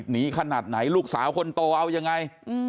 หนีขนาดไหนลูกสาวคนโตเอายังไง